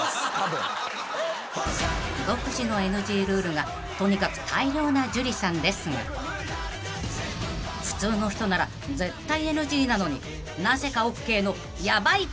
［独自のＮＧルールがとにかく大量な樹さんですが普通の人なら絶対ＮＧなのになぜかＯＫのヤバいことが］